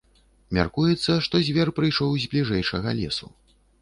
Мяркуецца, што звер прыйшоў з бліжэйшага лесу.